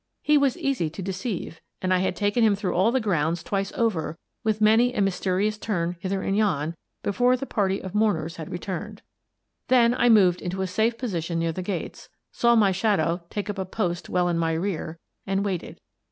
He was easy to de ceive, and I had taken him through all the grounds twice over, with many a mysterious turn hither and yon, before the party of mourners had returned. Then I moved into a safe position near the gates, saw my shadow take up a post well in my rear, and waited.